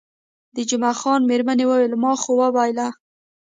د جمعه خان میرمنې وویل، ما خو وبایلل.